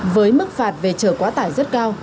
với mức phạt về chở quá tải rất cao